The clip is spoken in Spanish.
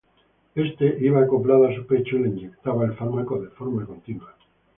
Éste iba acoplado a su pecho y le inyectaba el fármaco de forma continua.